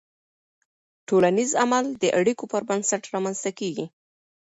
ټولنیز عمل د اړیکو پر بنسټ رامنځته کېږي.